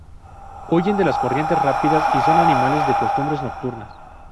Huyen de las corrientes rápidas y son animales de costumbres nocturnas.